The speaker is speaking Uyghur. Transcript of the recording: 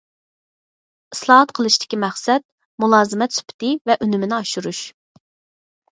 ئىسلاھات قىلىشتىكى مەقسەت، مۇلازىمەت سۈپىتى ۋە ئۈنۈمىنى ئاشۇرۇش.